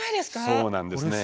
そうなんですね。